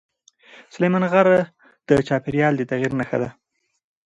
سلیمان غر د چاپېریال د تغیر نښه ده.